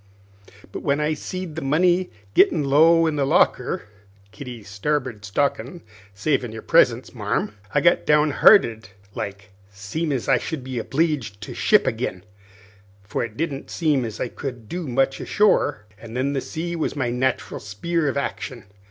But when I seed the money gittin' low in the locker Kitty's starboard stockin', savin' your presence, marm I got down hearted like, seem' as I should be obleeged to ship agin, for it didn't seem as I could do much ashore. An' then the sea was my nat'ral spear of action.